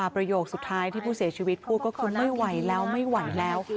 ประโยคสุดท้ายที่ผู้เสียชีวิตพูดก็คือไม่ไหวแล้วไม่ไหวแล้ว